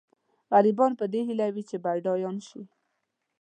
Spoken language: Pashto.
غریبان په دې هیله وي چې بډایان شي.